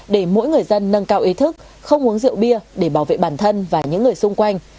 để mỗi người dân nâng cao ý thức không uống rượu bia để bảo vệ bản thân và những người xung quanh